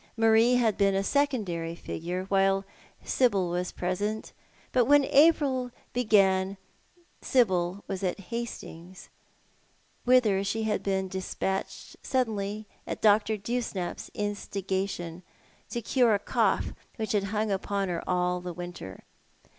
iMarie had been a secondary figure while Sibyl was present, but when April began Sibyl was at Hastings, whitlier she had been despatched suddenly at Dr. Dewsnap's instigation, to cure a cough which had hung upon her all the From the Far off Laiid. 53 winter.